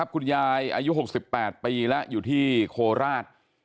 คุณยายอายุหกสิบแปดปีและอยู่ที่โคลราช